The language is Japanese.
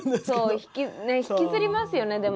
そうねえ引きずりますよね。